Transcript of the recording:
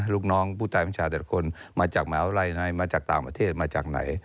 ลูกน้องผู้ใจประชาติแต่ละคนมาจากแมวอะไรไหนมาจากต่างประเทศมาจากไหน